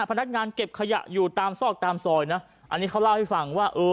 พนักงานเก็บขยะอยู่ตามซอกตามซอยนะอันนี้เขาเล่าให้ฟังว่าเออ